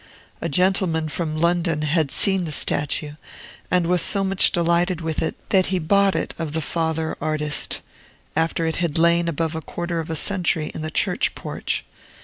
A gentleman from London had seen the statue, and was so much delighted with it that he bought it of the father artist, after it had lain above a quarter of a century in the church porch.